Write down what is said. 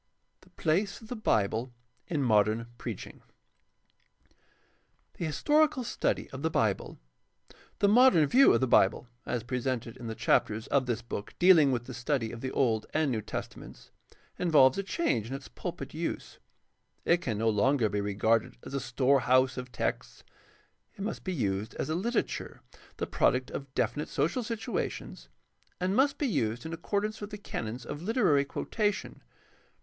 THE PLACE OF THE BIBLE IN MODERN PREACHING The historical study of the Bible. — The modern view of the Bible as presented in the chapters of this book dealing with the study of the Old and New Testaments involves a change in its pulpit use. It can no longer be regarded as a storehouse of texts. It must be used as a literature, the product of definite social situations, and must be used in accordance with the canons of literary quotation.